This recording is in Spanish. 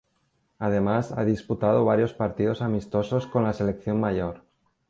Además ha disputado varios partidos amistosos con la selección mayor.